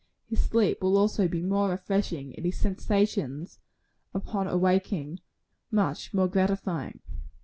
His sleep will also be more refreshing; and his sensations upon awaking, much more gratifying."